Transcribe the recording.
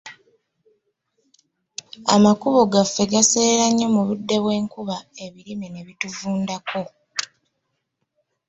Amakubo gaffe gaseerera nnyo mu budde bw'enkuba ebirime ne bituvundako.